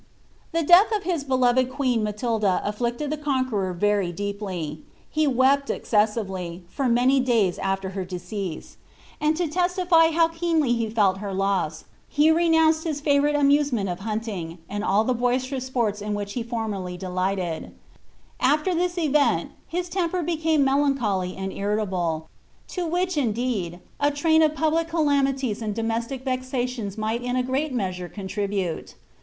* The death of his beloved queen Matilda afHicted ihe Conqueror very deeply. He wept excessively, for many days aficr her decease ; and 10 'Old&riaa FitaJia. Jfalmsbniy. 'Oidericut Vltalu. XATIIiBA OF FLANDSmS. 73 testily how keenly he felt her loss, he renounced his favonrite amuse ment of hunting, and all the hoisterous sports in which he formerly de lated.' After this event his temper became melancholy and irritable, Co which, indeed, a train of public calamities and domestic vexations might in a great measure contribute.